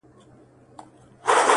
• د چا په برخه اولادونه لیکي -